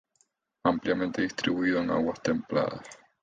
Ampliamente distribuido en aguas templadas.